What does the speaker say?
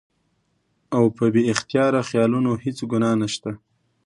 او پۀ بې اختياره خيالونو هېڅ ګناه نشته